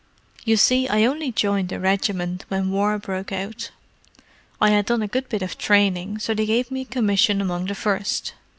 "You see I only joined the regiment when war broke out—I had done a good bit of training, so they gave me a commission among the first.